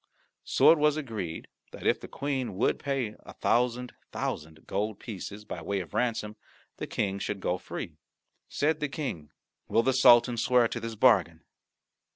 So it was agreed that if the Queen would pay a thousand thousand gold pieces by way of ransom, the King should go free. Said the King, "Will the Sultan swear to this bargain?"